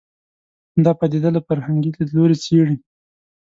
دا پدیده له فرهنګي لید لوري څېړي